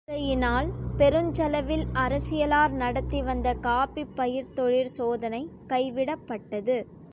ஆகையினால் பெருஞ்செலவில் அரசியலார் நடத்திவந்த காஃபிப் பயிர்த்தொழிற் சோதனை கைவிடப்பட்டது.